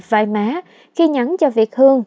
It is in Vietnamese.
vai má khi nhắn cho việt hương